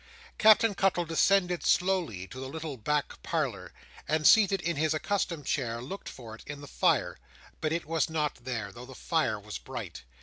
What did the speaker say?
Captain Cuttle descended slowly to the little back parlour, and, seated in his accustomed chair, looked for it in the fire; but it was not there, though the fire was bright.